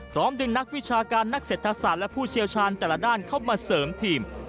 ดึงนักวิชาการนักเศรษฐศาสตร์และผู้เชี่ยวชาญแต่ละด้านเข้ามาเสริมทีม